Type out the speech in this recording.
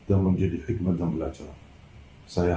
amin ya allah